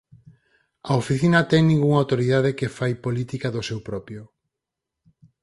A oficina ten ningunha autoridade que fai política do seu propio.